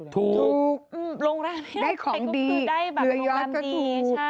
ถูกโรงแรมด้วยคือได้บัตรโรงยามดีใช่เดื้อยอดก็ถูก